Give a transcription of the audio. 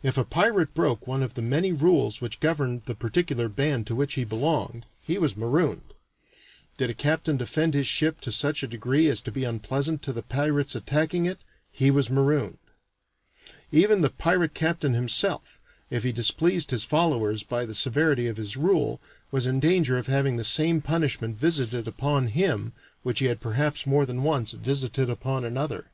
If a pirate broke one of the many rules which governed the particular band to which he belonged, he was marooned; did a captain defend his ship to such a degree as to be unpleasant to the pirates attacking it, he was marooned; even the pirate captain himself, if he displeased his followers by the severity of his rule, was in danger of having the same punishment visited upon him which he had perhaps more than once visited upon another.